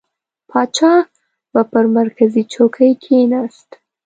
پاچا به پر مرکزي چوکۍ کښېنست.